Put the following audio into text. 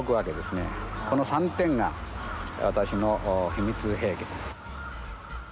この３点が私の秘密兵器と。